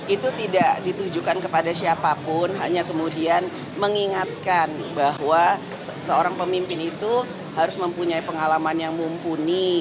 itu tidak ditujukan kepada siapapun hanya kemudian mengingatkan bahwa seorang pemimpin itu harus mempunyai pengalaman yang mumpuni